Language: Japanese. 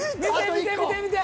見て見て見て。